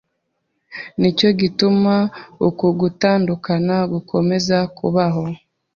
n’icyo gituma uku gutandukana gukomeza kubaho.